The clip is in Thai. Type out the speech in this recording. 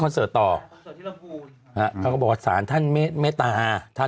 อ๋อแกก็บอกก้นนี้แหละ